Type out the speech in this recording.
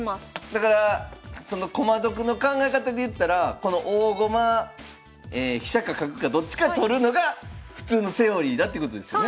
だからその駒得の考え方でいったらこの大駒飛車か角かどっちか取るのが普通のセオリーだっていうことですよね？